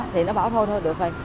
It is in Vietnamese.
thì nó bảo thôi thôi được rồi